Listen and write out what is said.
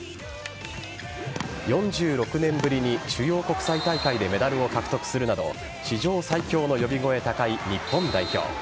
４６年ぶりに、主要国際大会でメダルを獲得するなど史上最強の呼び声高い日本代表。